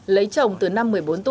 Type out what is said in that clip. lấy chồng tôi đã đẻ thêm hai con trai